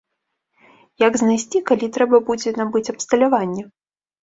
Як знайсці, калі трэба будзе набыць абсталяванне?